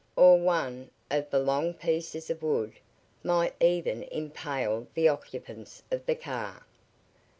Or one of the long pieces of wood might even impale the occupants of the car.